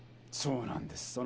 そうなんです。